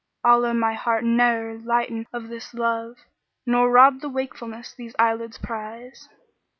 Allah my heart ne'er lighten of this love, * Nor rob the wakefulness these eyelids prize."